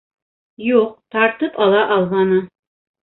Юҡ, тартып ала алманы.